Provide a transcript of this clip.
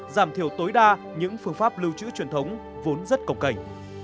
giảm thiểu tối đa những phương pháp lưu trữ truyền thống vốn rất cổng cảnh